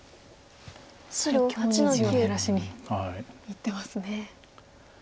最強に地を減らしにいってますね。